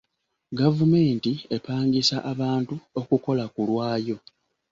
Gavumenti epangisa abantu okukola ku lwayo.